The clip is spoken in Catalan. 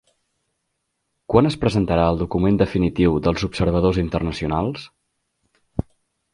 Quan es presentarà el document definitiu dels observadors internacionals?